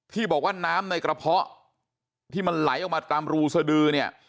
ที่บอกว่าน้ำในกระเพาะที่มันไหลออกมาตามรูสดือเนี่ย